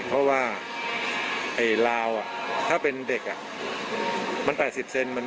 เพราะว่าลาวถ้าเป็นเด็กมัน๘๐เซน